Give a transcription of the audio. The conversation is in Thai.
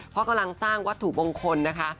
เพราะกำลังสร้างวัตถุมงคลนะคะ